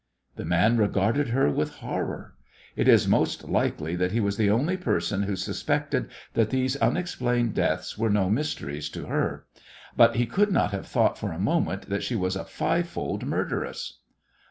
The man regarded her with horror. It is most likely that he was the only person who suspected that these unexplained deaths were no mysteries to her. But he could not have thought for a moment that she was a fivefold murderess!